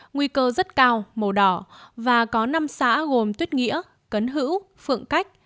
nguy cơ rất cao màu đỏ và có năm xã gồm tuyết nghĩa cấn hữu phượng cách